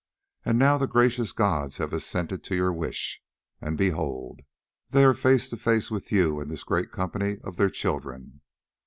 And now the gracious gods have assented to your wish, and behold, they are face to face with you and with this great company of their children.